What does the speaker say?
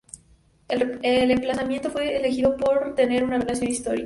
El emplazamiento fue elegido por tener una relación histórica.